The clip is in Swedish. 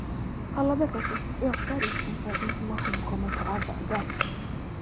Alla dessa sätt ökar risken för att information kommer på avvägar.